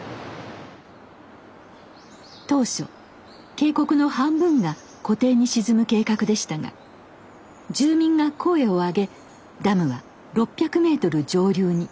当初渓谷の半分が湖底に沈む計画でしたが住民が声をあげダムは６００ｍ上流に。